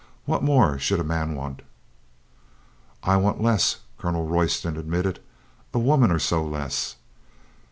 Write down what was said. What more should a man want?" "I want less," Colonel Royston admitted. "A woman or so less."